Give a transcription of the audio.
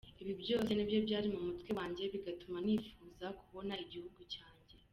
Ibi byose nibyo byari mu mutwe wanjye bigatuma nifuza kubona igihugu cyanjye.